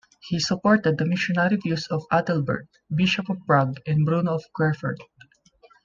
He supported the missionary views of Adalbert, Bishop of Prague, and Bruno of Querfurt.